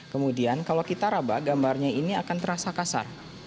kemudian kalau kita raba gambarnya ini akan terasa kasar